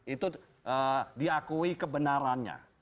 itu diakui kebenarannya